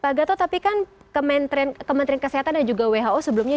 pak gatot tapi kan kementerian kesehatan dan juga who sebelumnya